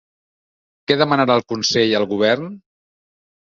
Què demanarà el Consell al govern?